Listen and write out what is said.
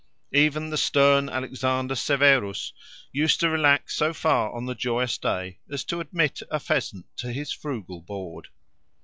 Even the stern Alexander Severus used to relax so far on the joyous day as to admit a pheasant to his frugal board.